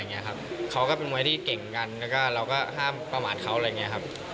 เขาก็เป็นมวยที่เก่งกันแล้วก็เราก็ห้ามประมาทเขา